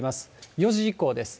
４時以降です。